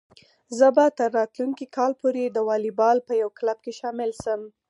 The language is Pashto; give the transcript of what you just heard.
زه به تر راتلونکي کال پورې د واليبال په یو کلب کې شامل شم.